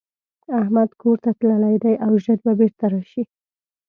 احمدکورته تللی دی او ژر به بيرته راشي.